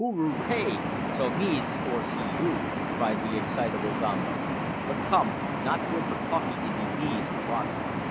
"Ho! hooroo hay! so's me for see you," cried the excitable Zombo; "but come, not good for talkee in de knees to watter.